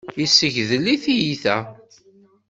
Yessegdel i tyita.